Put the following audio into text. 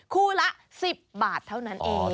คู่ละ๑๐บาทเท่านั้นเอง